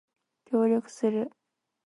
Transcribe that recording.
協力する